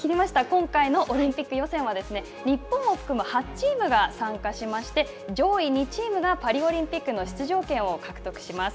今回のオリンピック予選は日本を含む８チームが参加しまして上位２チームがパリオリンピックの出場権を獲得します。